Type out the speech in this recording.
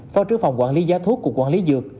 phó trưởng phòng quản lý giá thuốc cục quản lý dược